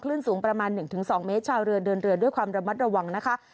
สูงประมาณ๑๒เมตรชาวเรือเดินเรือด้วยความระมัดระวังนะคะ